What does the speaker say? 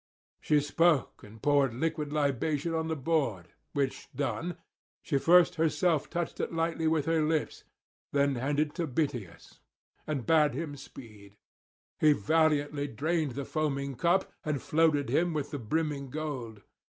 She spoke, and poured liquid libation on the board, which done, she first herself touched it lightly with her lips, then handed it to Bitias and bade him speed; he valiantly drained the foaming cup, and flooded him with the brimming gold.